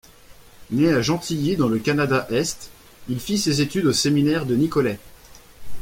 Né à Gentilly dans le Canada-Est, il fit ses études au Séminaire de Nicolet.